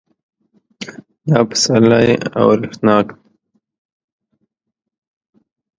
دا پسرلی اورښتناک